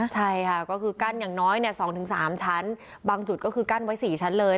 ใช่ค่ะก็คือกั้นอย่างน้อย๒๓ชั้นบางจุดก็คือกั้นไว้๔ชั้นเลย